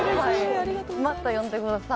また呼んでください。